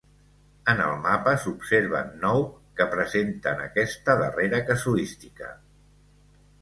En el mapa s’observen nou que presenten aquesta darrera casuística.